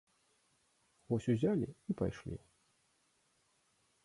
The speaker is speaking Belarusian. Вось узялі і пайшлі.